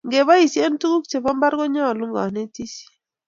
ngebaishen tuguk chebo mbar konyalun kanetishiet